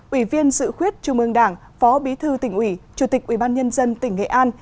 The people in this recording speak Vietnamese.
ủy viên sự khuyết trung mương đảng phó bí thư tỉnh ủy chủ tịch ubnd tỉnh nghệ an